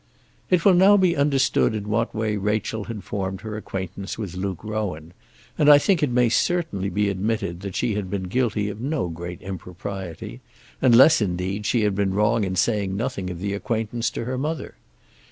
It will now be understood in what way Rachel had formed her acquaintance with Luke Rowan, and I think it may certainly be admitted that she had been guilty of no great impropriety; unless, indeed, she had been wrong in saying nothing of the acquaintance to her mother.